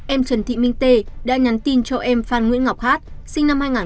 em trần thị minh t đã nhắn tin cho em phan nguyễn ngọc hát sinh năm hai nghìn bảy